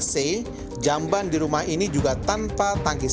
jadi jamban di rumah ini juga tanpa tangkis